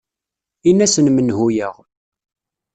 In-asen menhu-yaɣ.